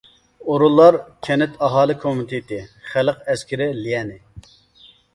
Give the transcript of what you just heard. ئورۇنلار كەنت ئاھالە كومىتېتى، خەلق ئەسكىرى ليەنى.